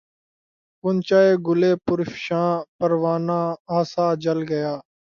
غنچۂ گل پرفشاں پروانہ آسا جل گیا